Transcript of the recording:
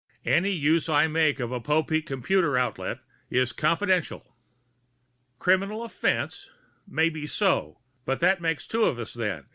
Any use I make of a Popeek computer outlet is confidential." "Criminal offence? Maybe so ... but that makes two of us, then.